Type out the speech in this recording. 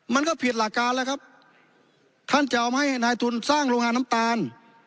มันก็ผิดหลักการแล้วครับท่านจะเอามาให้นายทุนสร้างโรงงานน้ำตาล